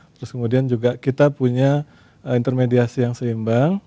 terus kemudian juga kita punya intermediasi yang seimbang